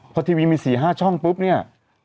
พอทีวีมี๔๕ช่องปุ๊บเนี่ย